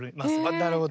あなるほど。